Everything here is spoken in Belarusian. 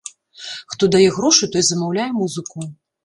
Хто дае грошы, той замаўляе музыку.